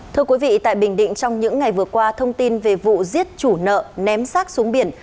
thưa quý vị tại bình định trong những ngày vừa qua thông tin về vụ giết chủ nợ ném sát xuống biển